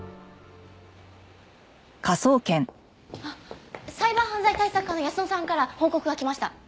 あっサイバー犯罪対策課の泰乃さんから報告が来ました。